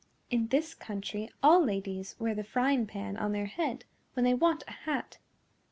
"In this country all ladies wear the frying pan on their head when they want a hat."